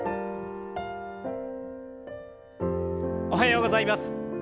おはようございます。